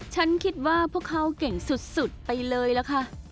ฉันคิดว่าพวกเขาเก่งสุดไปเลยล่ะค่ะ